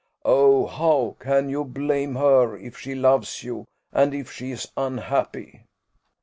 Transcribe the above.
Oh, how can you blame her, if she loves you, and if she is unhappy?"